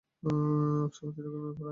এক সময় তিনি ঘুমিয়ে পড়েন।